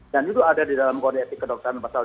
dan itu ada di dalam kode etik kedokteran pasal dua puluh